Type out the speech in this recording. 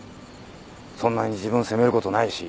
そんなに自分を責めることないし。